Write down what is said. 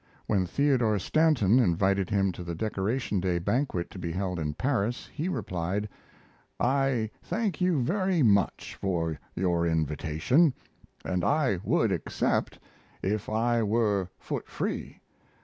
When Theodore Stanton invited him to the Decoration Day banquet to be held in Paris, he replied: I thank you very much for your invitation and I would accept if I were foot free.